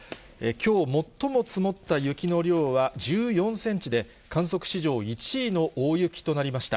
きょう、最も積もった雪の量は１４センチで、観測史上１位の大雪となりました。